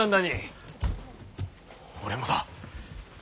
俺もだ。